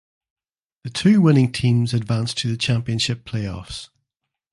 The two winning teams advanced to the championship playoffs.